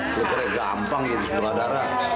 lu kira gampang jadi sutradara